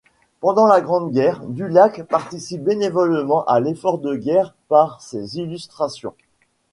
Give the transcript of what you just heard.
Pendant la Grande Guerre, Dulac participe bénévolement à l'effort de guerre par ses illustrations.